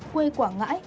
quê quảng ngãi